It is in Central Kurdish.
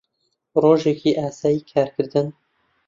ڕۆژێکی ئاسایی کارکردن